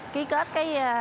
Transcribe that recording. ký kết cái